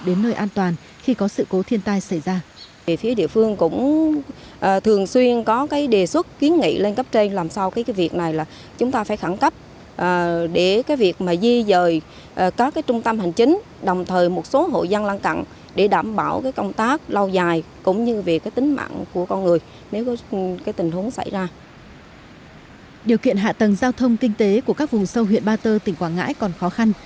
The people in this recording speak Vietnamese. điều kiện hạ tầng giao thông kinh tế của các vùng sâu huyện ba tơ tỉnh quảng ngãi còn khó khăn